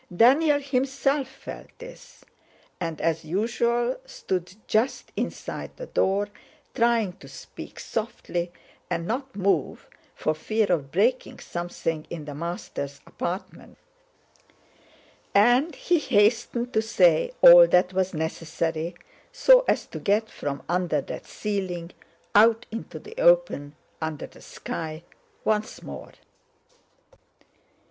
Daniel himself felt this, and as usual stood just inside the door, trying to speak softly and not move, for fear of breaking something in the master's apartment, and he hastened to say all that was necessary so as to get from under that ceiling, out into the open under the sky once more.